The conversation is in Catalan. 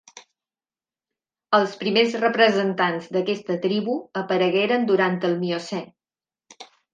Els primers representants d'aquesta tribu aparegueren durant el Miocè.